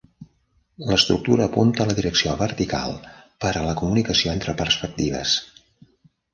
L'estructura apunta la direcció vertical per a la comunicació entre perspectives.